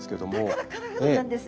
だからカラフルなんですね。